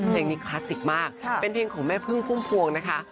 เพลงนี้คลาสสิกมากเป็นเพลงของแม่พึ่งพุ่มพวงนะคะ